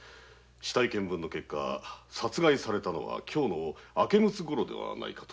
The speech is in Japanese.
死体検分の結果殺害されたのは今日の明け六つごろではないかと。